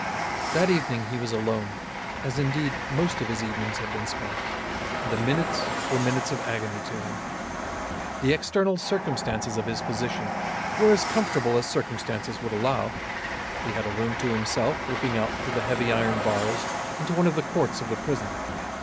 That evening he was alone, as, indeed, most of his evenings had been spent, and the minutes were minutes of agony to him. The external circumstances of his position were as comfortable as circumstances would allow. He had a room to himself looking out through heavy iron bars into one of the courts of the prison.